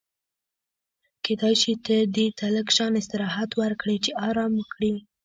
کېدای شي ته دې ته لږ شان استراحت ورکړې چې ارام وکړي.